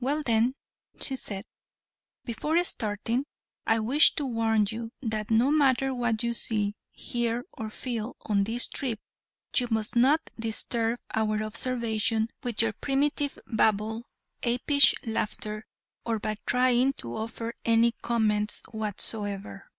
"Well then," said she, "before starting I wish to warn you that no matter what you see, hear or feel on this trip you must not disturb our observation with your primitive babble, apish laughter or by trying to offer any comments whatsoever."